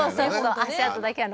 「足跡だけは」